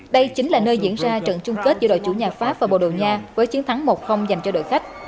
đây chính là nơi diễn ra trận chung kết giữa đội chủ nhà pháp và bồ đầu nha với chiến thắng một dành cho đội khách